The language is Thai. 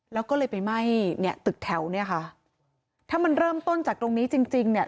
แล้วก็เลยไปไหม้เนี่ยตึกแถวเนี่ยค่ะถ้ามันเริ่มต้นจากตรงนี้จริงจริงเนี่ย